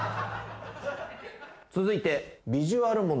続いて。